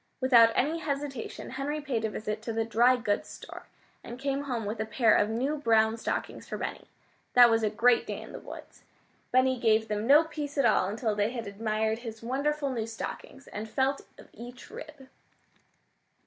Without any hesitation Henry paid a visit to the dry goods store, and came home with a pair of new brown stockings for Benny. That was a great day in the woods. Benny gave them no peace at all until they had admired his wonderful new stockings, and felt of each rib.